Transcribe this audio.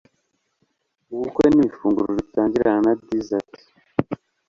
Ubukwe ni ifunguro ritangirana na dessert.